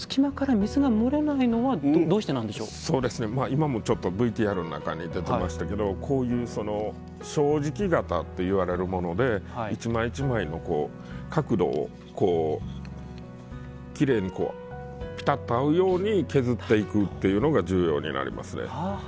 今もちょっとＶＴＲの中に出てましたけどこういう正直型っていわれるもので一枚一枚の角度をきれいにこうピタッと合うように削っていくっていうのが重要になりますね。